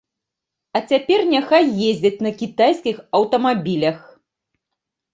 А цяпер няхай ездзяць на кітайскіх аўтамабілях.